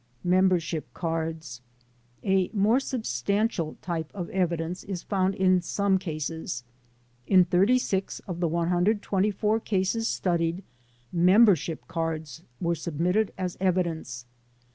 Membership Cards A more substantial type of evidence is found in some cases. In 36 of the 124 cases studied, membership cards were submitted as evidence.